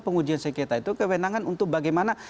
pengujian sengketa itu kewenangan untuk bagaimana